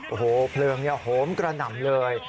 โอ้โฮเดือนโหมกระหน่ำเลย